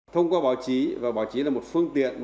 thông qua báo chí và báo chí là một phương tiện